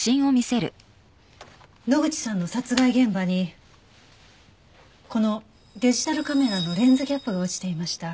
野口さんの殺害現場にこのデジタルカメラのレンズキャップが落ちていました。